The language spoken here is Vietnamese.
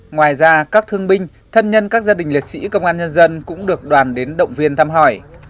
ngoài ra các thương binh thân nhân các gia đình liệt sĩ công an nhân dân cũng được đoàn đến động viên thăm hỏi